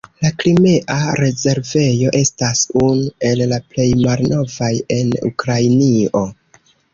La Krimea rezervejo estas unu el la plej malnovaj en Ukrainio.